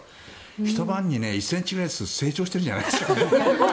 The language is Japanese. ひと晩に１ｃｍぐらい成長してるんじゃないですかね。